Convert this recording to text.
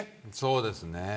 そうですね。